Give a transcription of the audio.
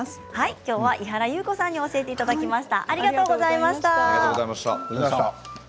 きょうは井原裕子さんに教えていただきました。